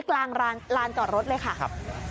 กลางลานจอดรถเลยค่ะ